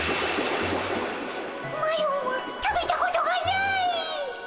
マロは食べたことがない！